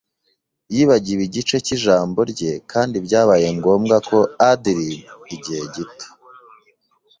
Yibagiwe igice cyijambo rye kandi byabaye ngombwa ko ad-lib igihe gito.